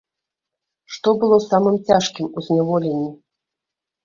Што было самым цяжкім у зняволенні?